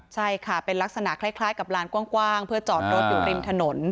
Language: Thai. ใช่ค่ะเป็นลักษณะคล้ายกับลานกว้างเพื่อจอดรถอยู่ริมถนน